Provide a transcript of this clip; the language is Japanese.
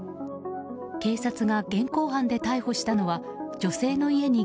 警察が現行犯で逮捕したのは女性の家に